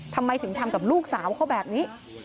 ทำไมถึงทำกับลูกสาวเขาแบบนี้